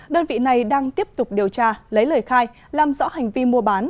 đơn vị này đang tiếp tục điều tra lấy lời khai làm rõ hành vi mua bán